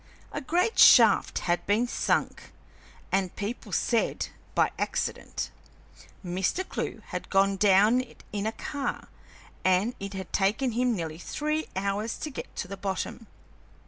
A great shaft had been sunk, the people said, by accident; Mr. Clewe had gone down it in a car, and it had taken him nearly three hours to get to the bottom.